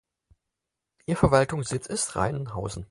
Ihr Verwaltungssitz ist Reinhausen.